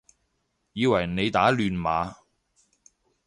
以為你打亂碼